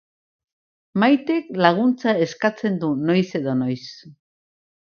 Maitek laguntza eskatzen du noiz edo noiz.